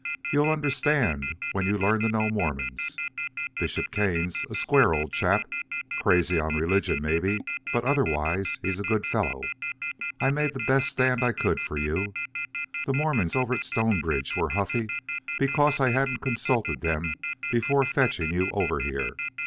You'll understand when you learn to know Mormons. Bishop Kane's a square old chap. Crazy on religion, maybe, but otherwise he's a good fellow. I made the best stand I could for you. The Mormons over at Stonebridge were huffy because I hadn't consulted them before fetching you over here.